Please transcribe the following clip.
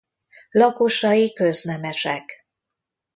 Lakosai köznemesek.